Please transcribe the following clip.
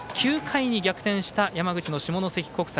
９回に逆転した山口の下関国際。